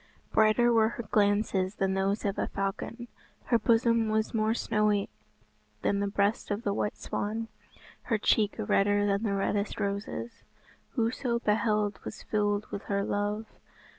Brighter were her glances than those of a falcon; her bosom was more snowy than the breast of the white swan, her cheek redder than the reddest roses. Whoso beheld was filled with her love.